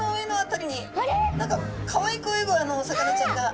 何かかわいく泳ぐお魚ちゃんが。